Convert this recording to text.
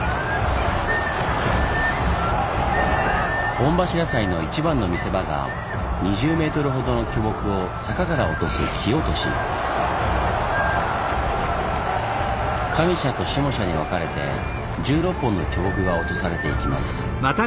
御柱祭の一番の見せ場が２０メートルほどの巨木を坂から落とす上社と下社に分かれて１６本の巨木が落とされていきます。